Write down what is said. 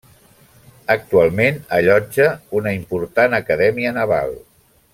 Actualment allotja una important acadèmia naval.